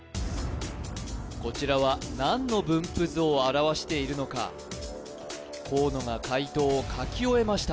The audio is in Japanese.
こちらは何の分布図を表しているのか河野が解答を書き終えました